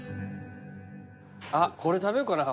あっこれ食べようかな。